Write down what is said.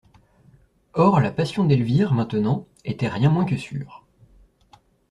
Or, la passion d'Elvire, maintenant, était rien moins que sûre.